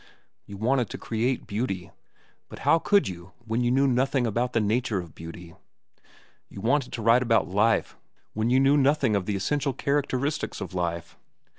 You wanted to create beauty, but how could you when you knew nothing about the nature of beauty? You wanted to write about life when you knew nothing of the essential characteristics of life.